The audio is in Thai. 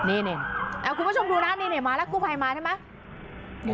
เอ้าคุณผู้ชมดูหน้านี่มาแล้วกู้ภัยมาใช่มะ